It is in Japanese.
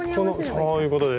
そういうことです！